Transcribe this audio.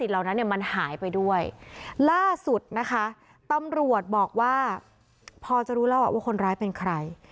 ล่าสุดนะคะตำรวจบอกว่าพอจะรู้แล้วว่าคนร้ายเป็นใคร